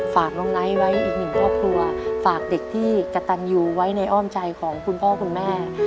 อยากบอกว่าลูกเพื่อนหนูก็อยากให้เป็นเด็กดีของพ่อกับแม่นะคะ